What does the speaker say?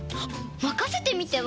まかせてみては？